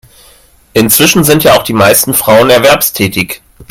Inzwischen sind ja auch die meisten Frauen erwerbstätig.